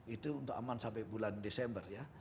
itu untuk aman sampai bulan desember ya